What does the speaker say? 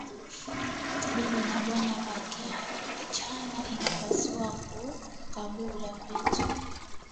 Bibi na bwana ba ki achana inapashua ku kabula vitu